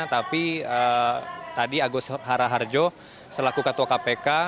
tapi tadi agus hara harjo selaku ketua kpk